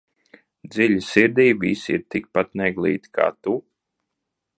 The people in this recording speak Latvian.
Dziļi sirdī visi ir tikpat neglīti kā tu?